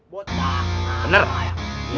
bocah ngapai ya bocah ngapai ya